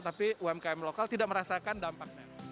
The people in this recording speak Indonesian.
tapi umkm lokal tidak merasakan dampaknya